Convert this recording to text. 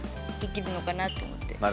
できるのかなと思って。